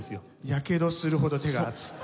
やけどするほど手が熱く。